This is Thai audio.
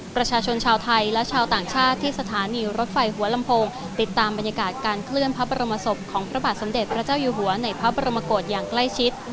ประชาชนชาวไทยและชาวต่างชาติที่สถานีรถไฟหัวลำโพงติดตามบรรยากาศการเคลื่อนพระบรมศพของพระบาทสมเด็จพระเจ้าอยู่หัวในพระบรมกฏอย่างใกล้ชิด